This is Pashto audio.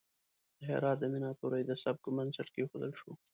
د هرات د میناتوری د سبک بنسټ کیښودل شو.